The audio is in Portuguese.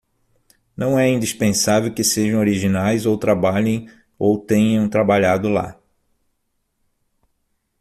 Não é indispensável que sejam originais ou trabalhem ou tenham trabalhado lá.